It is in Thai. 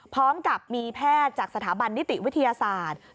พร้อมกับมีแพทย์จากสถาบันนิติวิทยาศาสตร์